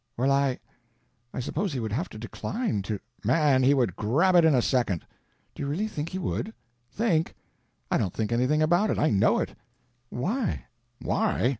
"Well, I—I suppose he would have to decline to—" "Man, he would grab it in a second!" "Do you really think he would?" "Think?—I don't think anything about it, I know it." "Why?" "Why?